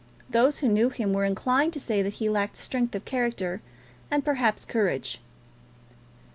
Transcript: Those who knew him were inclined to say that he lacked strength of character, and, perhaps, courage.